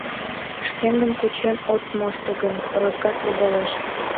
Шкендым кучен от мошто гын, розгат логалеш...